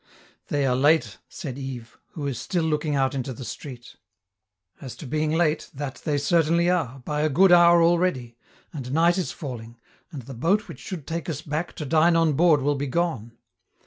"They are late," said Yves, who is still looking out into the street. As to being late, that they certainly are, by a good hour already, and night is falling, and the boat which should take us back to dine on board will be gone.